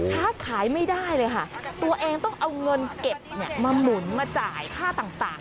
ค้าขายไม่ได้เลยค่ะตัวเองต้องเอาเงินเก็บมาหมุนมาจ่ายค่าต่าง